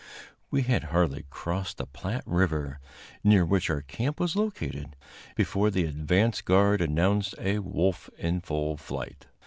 We had hardly crossed the Platte River, near which our camp was located, before the advance guard announced a wolf in full flight.